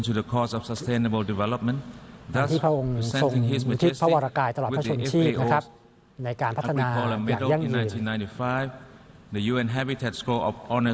ส่งวิทยุทธิพระวรกายตลอดท่าชนชีพในการพัฒนาอย่างยั่งยืน